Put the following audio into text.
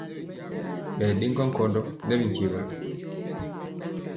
Ɓɛ ɗe ŋgondɔ nkɔndɔ nɛ binkyegɔlɔ.